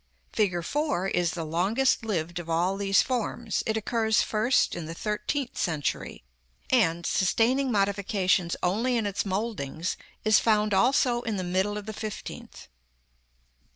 Fig. 4 is the longest lived of all these forms: it occurs first in the thirteenth century; and, sustaining modifications only in its mouldings, is found also in the middle of the fifteenth.